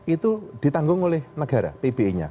itu ditanggung oleh negara pbi nya